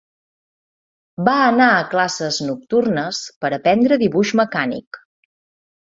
Va anar a classes nocturnes per aprendre dibuix mecànic.